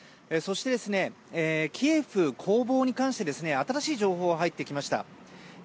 そして、キエフ攻防に関して新しい情報が入ってきました。